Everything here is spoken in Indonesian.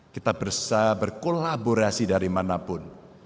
kita bisa berkolaborasi dari mana pun